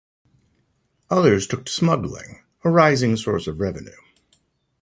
Others took to smuggling, a rising source of revenue.